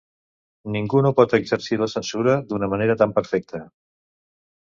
Ningú no pot exercir la censura d’una manera tan perfecta.